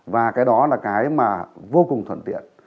và cái đó là cái mà vô cùng thuận tiện